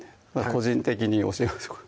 個人的に教えましょうか？